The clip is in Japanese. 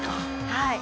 はい。